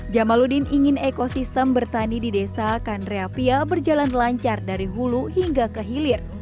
jamaludin ingin ekosistem bertani di desa kandreapia berjalan lancar dari hulu hingga ke hilir